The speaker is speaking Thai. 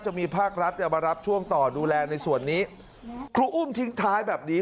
จะมีภาครัฐเนี่ยมารับช่วงต่อดูแลในส่วนนี้ครูอุ้มทิ้งท้ายแบบนี้